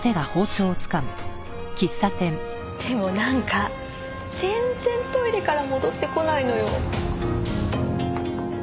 でもなんか全然トイレから戻ってこないのよ。